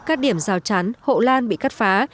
các điểm rào chắn hộ lan bị cắt phá